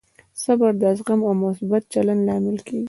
صبر د زغم او مثبت چلند لامل کېږي.